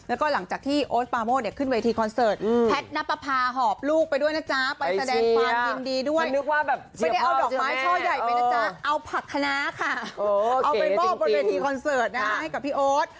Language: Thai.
เอาไปบอกบนเวทีคอนเสิร์ตนะครับให้กับพี่โอ๊ต